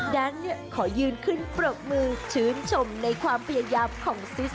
ดรานเนี่ยขอยืนขึ้นปรบมือชืนชมไว้นะค่ะซิส